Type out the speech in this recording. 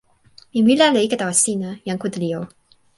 mi wile ala e ike tawa sina, jan Kuntuli o.